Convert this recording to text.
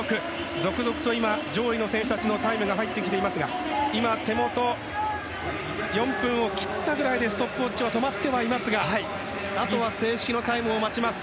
続々と上位の選手たちのタイムが入ってきていますが手元、４分を切ったぐらいでストップウォッチが止まってはいますがあとは正式のタイムを待ちます。